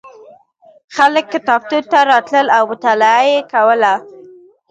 خلک کتابتون ته راتلل او مطالعه یې کوله.